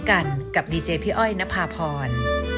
กันกับดีเจพี่อ้อยนภาพร